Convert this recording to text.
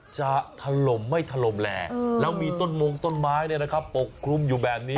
ถล่มไม่ถล่มแหล่แล้วมีต้นมงต้นไม้ปกคลุมอยู่แบบนี้